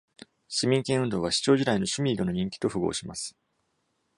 市民権運動は、市長時代のシュミードの任期と符合します。